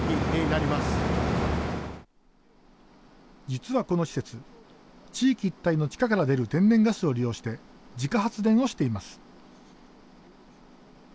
実はこの施設地域一帯の地下から出る天然ガスを利用して自家発電をしています。